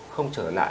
không trở lại